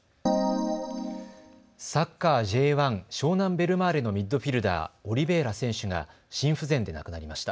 サッカーＪ１、湘南ベルマーレのミッドフィルダー、オリベイラ選手が心不全で亡くなりました。